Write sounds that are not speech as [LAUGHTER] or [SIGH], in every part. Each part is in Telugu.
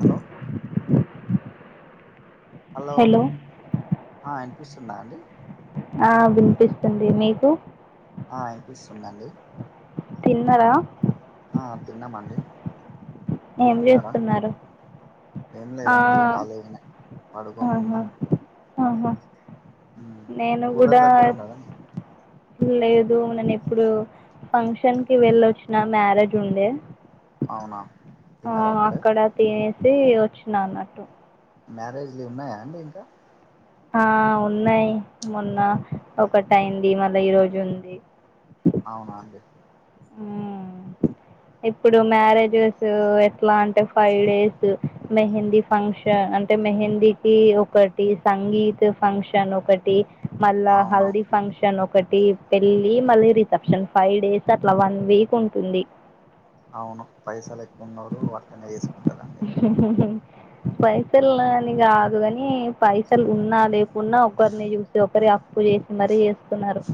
హలో హలో ఆ వినిపిస్తుందా అండి ఆ వినిపిస్తుంది మీకు ఆ వినిపిస్తుంది అండి తిన్నారా ఆ తిన్నాం అండి ఏం చేస్తున్నారు ఏం ఆ లేదండి ఖాళీగనే ఆహా పడుకోనున్నాం ఆహా నేను కూలర్ కూడా దగ్గర ఉన్నారా లేదు నేన్ ఇప్పుడు ఫంక్షన్కి వెళ్లి వచ్చిన మ్యారేజ్ ఉండే అవున ఆ అక్కడ తినేసి వచ్చిన అన్నట్టు మ్యారేజ్లు ఉన్నాయా అండి ఇంకా ఆ ఉన్నాయి మొన్న ఒకటి అయింది మళ్ళ ఈ రోజు ఉంది అవునా అండి ఇప్పుడు మ్యారే [UNINTELLIGIBLE] ఎట్ల అంటే ఫైవ్ డేస్ మెహందీ ఫంక్షన్ అంటే మెహందీకి ఒక ఒకటి సంగీతు ఫంక్షన్ ఒకటి మళ్ళా అవును హల్దీ ఫంక్షన్ ఒకటి పెళ్ళి మళ్ళీ రిసెప్షన్ ఫైవ్ డేస్ అట్ల వన్ వీక్ ఉంటుంది అవును పైసలు ఎక్కువ ఉన్న వొళ్ళు అట్లనే చేసుకుంటారండి పైసల్ ఉమ్, అని కాదు గాని పైసలు ఉన్నా లేకున్నా ఒకరిని చూసి ఒకరి అప్పు చేసి మరీ చేస్తున్నారు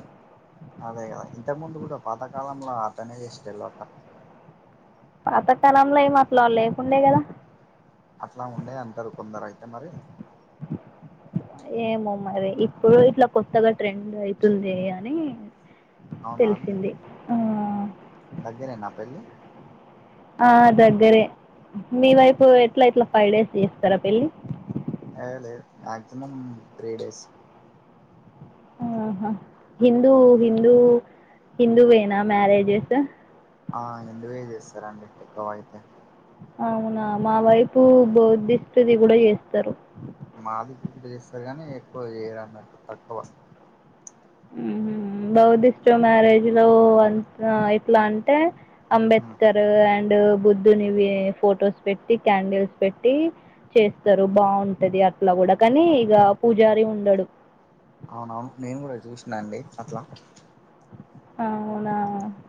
అదే కదా ఇంతకు ముందు కూడ పాతకాలంలో అట్లనే చేసేటోళ్ల పాతకాలంలో ఏం అట్ల లేకుండే కదా అట్ల ఉండే అంటారు కొందరు అయితే మరి ఏమో మరి ఇప్పుడు ఇట్ల కొత్తగా ట్రెండ్ అయితుంది అని తెలిసింది ఆ దెగ్గరే న పెళ్లి ఆ దగ్గరే మీ వైపు ఎట్ల ఎట్ల ఫైవ్ డేస్ చేస్తారా పెళ్ళి అ లేదు మాక్సిమం త్రీ డేస్ ఆహా హిందూ ఉమ్, హిందూ హిందూవేన మ్యారేజస్ ఆ హిందూవే చేస్తారండి ఎక్కువ అయితే అవునా మా వైపు [UNINTELLIGIBLE] [UNINTELLIGIBLE] ఎక్కువ చేయరా అన్నట్టు తక్కవ ఉమ్ [UNINTELLIGIBLE] మ్యారేజ్ లో అంత ఎట్ల అంటే ఉమ్. అంబేద్కర్ అండ్ బుద్ధునివి ఫొటోస్ పెట్టి కాండిల్స్ పెట్టి చేస్తరు బావుంటది అట్లా కూడ కానీ ఇగ పూజారి ఉండరు అవున నేను కూడ చూసిన అండి అట్లా అ అవునా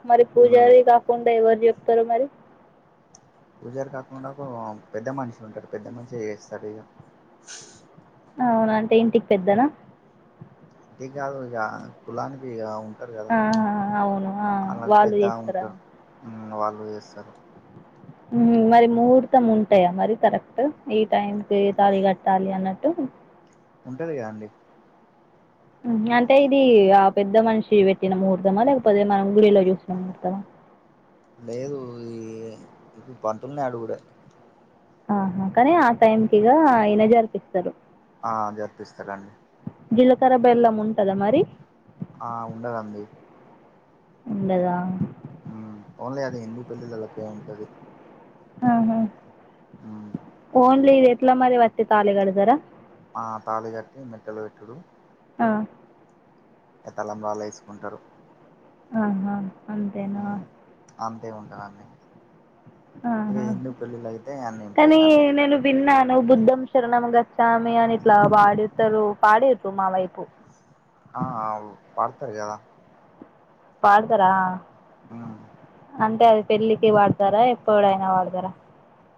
మరి ఉమ్. పూజారి కాకుండ [UNINTELLIGIBLE] చెప్తారు మరి పూజారి కాకుండ [UNINTELLIGIBLE] పెద్ద మనిషి ఉంటారు పెద్ద మనిషి చేస్తారు ఇగ అవునా అంటే ఇంటికి పెద్దన ఇంటికి కాదు ఇగ కులానికి ఇగ ఉంటారు కద ఆహా అవును ఆ వాళకు వాళ్ళు పెద్ద చేస్తారా ఉంటారు వాళ్ళు చేస్తారు ఉమ్ మరి ముహూర్తం ఉంటాయా మరి కరెక్ట్ ఈ టైం కి ఏ తాళి కట్టాలి అన్నట్టు ఉంటది అండి అంటే ఇది ఆ పెద్ద మనిషి పెట్టిన ముహూర్తమ లేకపోతే మనం గుడిలో చూసిన ముహూర్తమా లేదు ఈ ఇప్పుడు పంతులుని అడుగుడే ఆహా కానీ ఆ టైంకి ఇగ [UNINTELLIGIBLE] జారిపిస్తరు ఆ జరిపిస్తారండి జీలకర బెల్లం ఉంటద మరి ఆ ఉండదండి ఉండదా ఓన్లీ అది హిందు [UNINTELLIGIBLE] ఉంటది ఆహా ఆ ఓన్లీ ఇది ఎట్ల మరి వచ్చి తాళి కడతారా ఆ తాళి కట్టి మెట్టలు పెట్టుడు ఆ ఇగ తలంబ్రాలు ఎసుకుంటారు ఆహా అంతేనా అంతే ఉంటాదండి ఇగ ఆహా హిందూ పెళ్ళిలు అయితే అన్నీ ఉంటాయి అండి విన్నను బుద్ధం శరణం గచ్చామి అని ఇట్లా వాడతారు పాడిన్రు మా వైపు ఆ అవు పడతారు కదా పాడతారా ఆ అంటే అది పెళ్ళికి వాడతారా ఎప్పుడైనా వాడతారా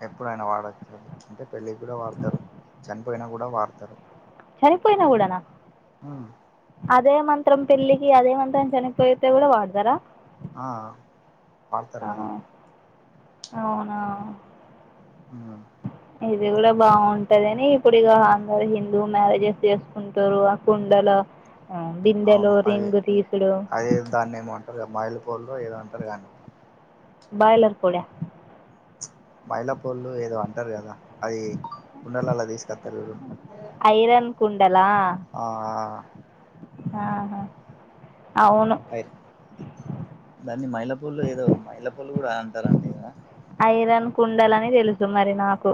ఎప్పుడైనా వాడచ్చ అది అంటే పెళ్ళికి కూడా వాడతారు చనిపోయిన కూడా వాడతారు చనిపోయినా కూడానా ఉమ్, అదే మంత్రం పెళ్లికి అదే మంత్రం చనిపోయితే కూడా వాడతారా ఆ పాడతారు గాద అవునా ఆ ఇది కూడా బాగుంటది అని ఇప్పుడు ఇక అందరూ హిందూ మ్యారేజెస్ చేసుకుంటురు కుండల ఆ అండి అవును అది అది దాన్ని ఏమో అంటారుద మాయిలుపోల్లో ఏదో అంటారు కదా బాయిలర్ పొడా మైలాపోళ్ళు ఏదో అంటారు కదా అది కుండలలా తీస్కత్తారు చూడు ఐరన్ కుండలా ఆ ఆహా అవును అయి దాన్ని మైలపొల్లు ఏదో మైలపొల్లు కూడా అంటారండి ఇడా ఐరన్ కుండల అని తెలుసు మరి నాకు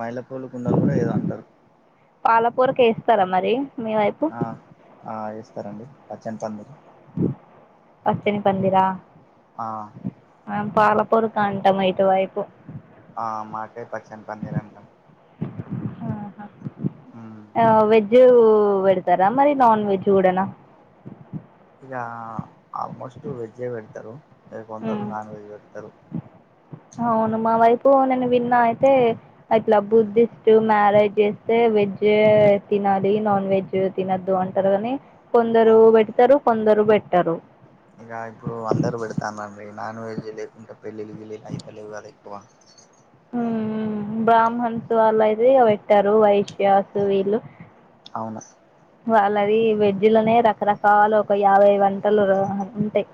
మైలపొల్లు కుండలు కూడా ఏదో అంటారు పాలపోరక ఎస్తారా మరి మీ వైపు ఆ ఆ ఎస్తారండి పచ్చని పందిరి హ్మ్ పచ్చని పందిరా ఆ మనం పాలపొరుకా అంటాం ఇటు వైపు ఆ మాకే పచ్చని పందిరి అంటాం ఉ ఆ వెజ్ పెడతారా మరి నాన్ వెజ్ కూడానా ఇక ఆల్మోస్ట్ వెజే పెడతారు ఇగ కొందరు నాన్ వెజ్ పెడతారు అవును మా వైపు నేను విన్నా అయితే ఇట్లా ఉమ్ బుద్ధి ద్ మ్యారేజ్ చేస్తే వెజ్ తినాలి నాన్ వెజ్ తినొద్దు అంటారు కాని కొందరు అవును పెడతారు కొందరు బేట్టరు ఇక ఇప్పుడు అందరుూ పెడతానండి నాన్ వెజ్ లేకుంటే పెళ్ళిళ్ళ గిళ్ళిళ్ళు అయిత లేవు కదా ఎక్కువ ఉమ్ ఉమ్ బ్రాహ్మణ్స్ వాళ్ళ అయితే ఇగ పెట్టారు వైశ్యాసు వీళ్ళు అవును వాళ్ళది వెజ్ లోనే రకరకాల ఒక యాభై వంటలు ఉంటాయి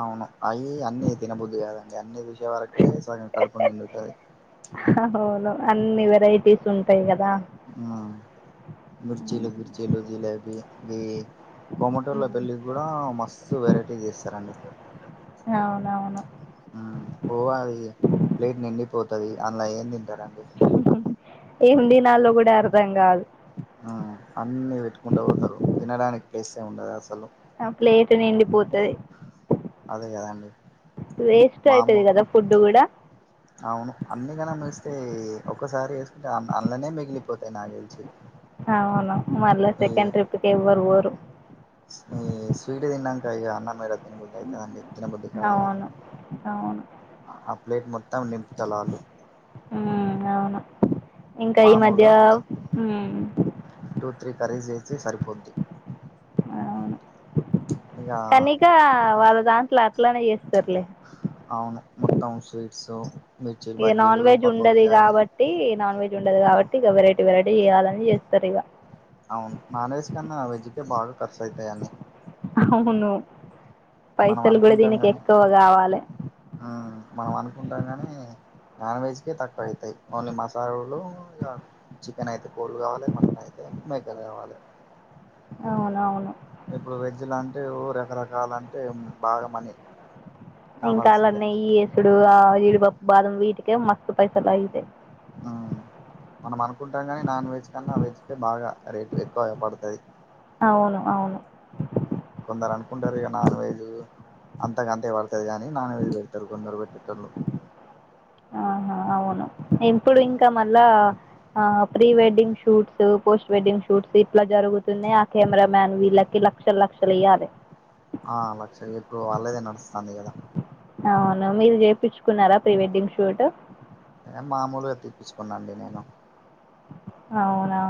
అవును అవి అన్ని తినబుద్ధి కాదండి అన్ని జ్యూష్ వరకే సగం కడుపు నిండుతది అవును అన్ని వెరైటీస్ ఉంటాయి కదా ఆహ్ మిర్చిలు గిర్చీలు జిలేబి కోమాటోల పెళ్ళికి కూడా మస్తు వెరైటీ చేస్తారండి అవునవును హ్మ్ ఓ అది ప్లేట్ నిండిపోతది అందులా ఏం తింటారండి ఎం తినాలో కూడా అర్థం కాదు ఆ అన్ని పెట్టుకుంట పోతారు తినడానికి ప్లేసే ఉండదు అసలు ఆ ప్లేట్ నిండిపోతది అదే కదండి వేస్ట్ అయితది మామూలు కదా ఫుడ్డు కూడా అవును అన్నిగానం వేస్తే ఒక్కసారి వేసుకుంటే అన్ ఆన్ల నే మిగిలిపోతాయి నాక్ తెలిసి అవును మల్ల ఈ సెకెండ్ ట్రిప్కి ఎవర్వోరు ఈ స్వీట్ తిన్నాంక ఇక అన్నం ఏడ తినబుద్ది అయితదండి తినబుది కాదు కదా అవును అవును ఆ ప్లేట్ మొత్తం నింపుతాలాలు హ్మ్ అవును ఇంకా ఈ మధ్య మాములుగా ఉమ్ టూ త్రీ కర్రీస్ చేస్తే సరిపోద్ది హచ్ ఇగ ఇంకా వాళ్ళ దాంట్లో అట్లనే చేస్తారులే అవును మొత్తం స్వీట్స్ మిర్చి బజ్జీలు పకోడి అని ట్టి నాన్ వెజ్ ఉండదు కాబట్టి ఇక వెరైటీ వెరైటీ చేయాలని చేస్తారు ఇగ అవును నాన్ వెజ్ కన్నా వెజ్కే బాగా కర్సు అయితాయి అని అవును మనం పైసలు కూడా దీనికి ఎక్కువ కావాలే ఆహ్ మనం అనుకుంటాం గాని నాన్ వెజ్కే తక్కువ అయితాయి ఓన్లీ మసాలాలు ఇగ చికెన్ అయితే కోడి కావాలే మటన్ అయితే మేకలు కావాలే అవునవును ఇప్పుడు వెజ్ల అంటే ఓ రకరకాల అంటే బాగా మనీ ఇంకా అన్లా కావాల్సిందే నెయ్యి వేసుడు ఆ జీడిపప్పు బాదం వీటికే మస్తు పైసలైతాయి ఆ మనం అనుకుంటాం గాని నాన్ వెజ్ కన్నా వెజ్ కే బాగా రేటు ఎక్కువ పడ్తది అవును అవును కొందరు అనుకుంటారు ఇగ నాన్వెజ్ అంత గంతే పడ్తది గాని నాన్ వెజ్ పెడతారు కొందరు పెట్టెటోళ్లు ఆహా అవును ఇప్పుడు మ్మ్ ఇంకా మళ్ళా ఆ pre wedding shoots post wedding shoots ఇట్లా జరుగుతున్నాయి ఆ కెమెరా మ్యాన్ వీళ్ళకి లక్షలక్షలియ్యాలి ఆ లక్ష ఇప్పుడు వాళ్ళదే నడుస్తంది కదా అవును మీరు చేపించుకున్నారా ప్రీ వెడ్డింగ్ షూట్ ఆ మామూలుగా తీప్పించుకున్నా అండి నేను అవునా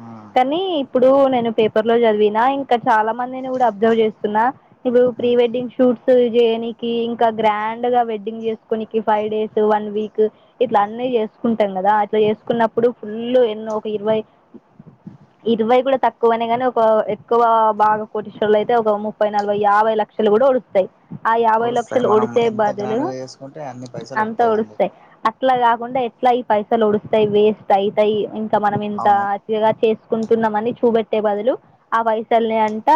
ఆ కానీ ఇప్పుడు నేను పేపర్ లో చదివిన ఇంకా చాలా మందిని కూడా అబ్జర్వ్ చేస్తున్నా ఇప్పుడు ప్రీ వెడ్డింగ్ షూట్స్ చేయనికి ఇంకా గ్రాండ్గా వెడ్డింగ్ చేసుకోనీకి ఫైవ్ డేస్ వన్ వీక్ ఇట్లన్నీ చేసుకుంటాం కదా ఇట్ల చేసుకున్నప్పుడు ఫుళ్ళు ఎన్నో ఒక ఇరవై ఇరవై కూడ తక్కువనే గనీ ఒక ఎక్కువ బాగా కోటిశ్వర్లు అయితే ఒక ముప్పై నలభై యాభై లక్షలు గూడ ఒడుస్ ఆ యాభై వస్తాయి లక్షలు మనం ఒడిసే ఎంత బదులు గ్రాండ్గా చేసుకుంటే అన్ని పైసలు అంత వస్తాయి అండి ఒడుస్తయి అట్ ట్లా గాకుండా ఎట్ల ఈ పైసలు ఒడుస్తయి వేస్ట్ అయితయి ఇంక మనం ఎంత అవును ఇలా చేసుకుంటున్నమని చూపెట్టే బదులు ఆ పైసల్ని అంత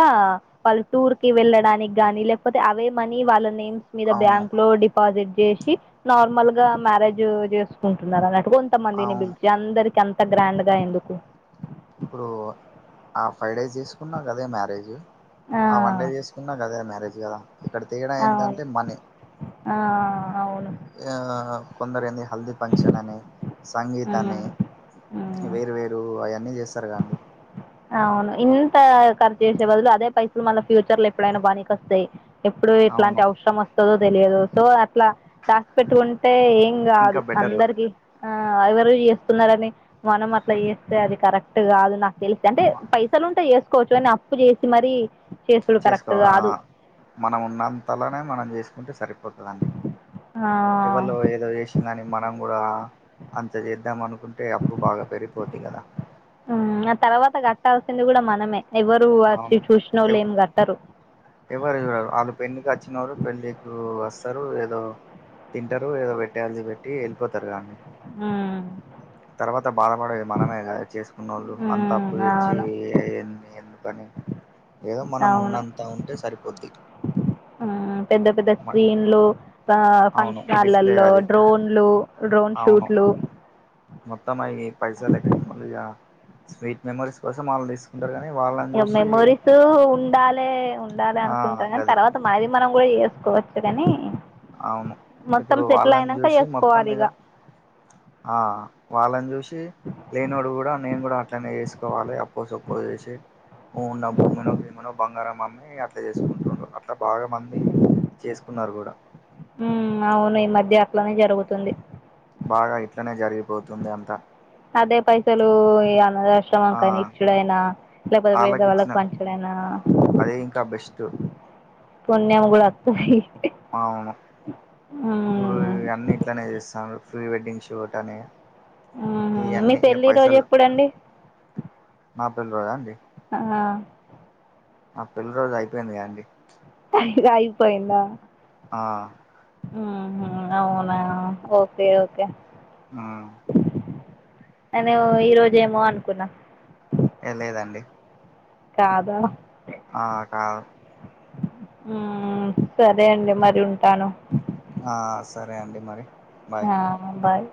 వాళ్ళు టూర్ కి వెళ్ళడానికి గ్గాని లేకపోతే అవే మనీ వాళ్ళ నేమ్స్ మ్స్ మీద అవును బ్యాంక్ లో డిపాజిట్ జేషి నార్మల్ గా మ్యారేజ్ చేసుకుంటున్నరన్నట్టు కొంత్ త మందిని అవును పిలిచి అందరికి అంత గ్రాండ్ గా ఎందుకు ఇప్పుడూ ఆ ఫైవ్ డేస్ చేసుకున్నా గదే మ్యారేజ్ ఆ వన్ డే జేస్ కున్న గదే మ్యారేజ్ గదా ఇక్కడ తేడా అవును ఏంటంటే మనీ ఆ అవును ఆ కొందరేంది హల్ది ఫంక్షన్ అని సంగీత్ ఉమ్ అని ఉమ్ వేరు వేరు అయన్నీ చేస్తరుగా అండి అ అవును ఇంత ఖర్చు చేసే బదులు అదే పైసలు మళ్ళ ఫ్యూచర్ ల ఎప్పుడైనా బనికస్తయ్ ఎప్పుడు ఎట్లాంటి అవును అవసరం వస్తదో తెలియదు సో అట్లా దాసి పెట్టుకుంటే ఏం గాదు ఇంకా బెటరు అందరికి ఆ ఎవరు చేస్తున్నరని మనం అట్ల జేస్తే అది కరెక్ట్ గాదు నాకు తెలిస్ అంటే పైసలుంటే చేసుకోవచ్చు గని అప్పు చేసి మరి చేసుకోవా మనం ఉన్నంతలనే మనం జేసుకుంటే సరిపోతదండి ఆ ఏవల్లో ఏదో జెష్ ల్లని మనం గూడా అంత చేద్దామనుకుంటే అప్పు బాగా పెరిగిపోద్ది కదా ఆ అ తర్వాత గట్టాల్సింది కూడ మనమే, ఎవరూ అవును అచ్చి ఎవ చూసినోళ్ళెం గట్టరు ఎవరు జూడరు ఆళ్ళు పెళ్ళికచ్చినోళ్ళు పెళ్ళికు వస్తరు ఏదో తింటరు ఏదో పెట్టే ఆల్ది పెట్టి ఎళ్ళిపోతరు గా అండి ఆ తర్వాత బాధపడేది మనమే గా చేసుకున్నవాళ్ళు అంత అప్పు ఉమ్ దెచ్చి అవును ఇయన్ని ఎందుకు కనీ ఏదో మనం అవును ఉన్నంత ఉంటే సరిపోద్ది ఆ పెద్ద పెద్ద మ స్క్రీన్ లు ఆ అవును ఫంక్షన్ డిస్ప్లే హళ్లల్లో అది డ్రోన్లు డ్రోన్ అవును షూట్లు మొత్తం అయ్యి పైసలు ఎక్కువున్నోళ్ళిగా స్వీట్ మెమోరీస్ కోసం ఆళ్ళు దీస్ ఇగ మెమోరీస్ ఉండాలే ఉండాలే ఆ అనుకుంటరు గది గని తర్వాత మనది మనం గూడ జేసుకోవచ్చు గని అవును ఇప్పుడు వాళ్ళన్ జూసి మొత్తం చేసుకోవాలి మీద ఇక ఆ వాళ్ళన్ జూషి లేనోడు గూడ నేను గూడా అట్లనే జేసుకోవాలే అప్ ప్పో సప్పో జేషి ఉన్న భూమినో గీమినో బంగారం అమ్మి అట్ల జేసుకుంటుండ్రు అట్ల బాగా మంది చేసుకున్నరు గూడ ఉమ్ అవును ఈ మధ్య అట్లనే జరుగుతుంది బాగ ఇట్లనే జరిగిపోతుంది అంతా అదే పైసలూ ఏ అనాధ ఆశ్రమం ఆ కైనా ఇచ్చుడైనా లేక్పోతే వాళ్ళకి పేదవాళ్ళకు ఇచ్చిన పంచుడైనా అదే ఇంకా బెస్ట్ పుణ్యం గూడత్ పోయిద్ది అవును ఇప్పుడు ఇ అన్ని ఇట్లనే చేస్తాన్రు ప్రీ వెడ్డింగ్ షూట్ అని ఉమ్ మీ ఇవన్నీ ఇక పెళ్ళి రోజు పైసలు ఎప్పుడండి మా పెళ్ళిరోజా అండి అవునా నా పెళ్లి రోజు అయిపోయిందిగా అండి అయ్యే అయిపోయిందా ఆ ఉ అవునా ఓకే ఓకే ఆ నేను ఈరోజేమో అనుకున్నా ఏ లేదండి కాదా ఆ కా సరే అండి మరి ఉంటాను ఆ సరే అండి మరి బాయ్ ఆ బాయ్